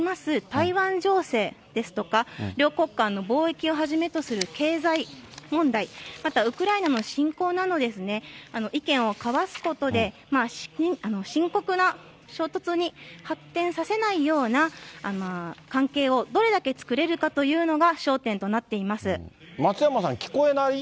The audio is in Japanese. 台湾情勢ですとか、両国間の貿易をはじめとする経済問題、またウクライナの侵攻などですね、意見を交わすことで、深刻な衝突に発展させないような関係をどれだけ作れるかというの松山さん、聞こえない？